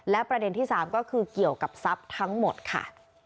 และประเด็นที่๓ก็คือเกี่ยวกับทรัพย์ทั้งหมดค่ะ